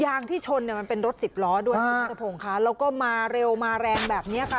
ยางที่ชนเนี้ยมันเป็นรถสิบล้อด้วยค่ะแล้วก็มาเร็วมาแรงแบบเนี้ยค่ะ